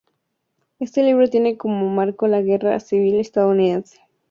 Este libro tiene como marco la Guerra Civil Estadounidense.